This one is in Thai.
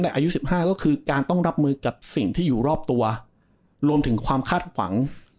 อายุ๑๕ก็คือการต้องรับมือกับสิ่งที่อยู่รอบตัวรวมถึงความคาดหวัง